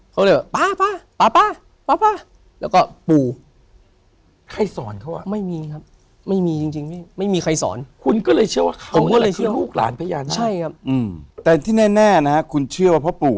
เขาเรียกป๊าป๊าป๊าป๊าป๊าป๊าและก็ปู